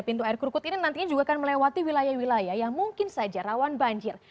pintu air kerukut ini nantinya juga akan melewati wilayah wilayah yang mungkin saja rawan banjir